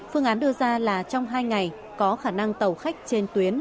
phương án đưa ra là trong hai ngày có khả năng tàu khách trên tuyến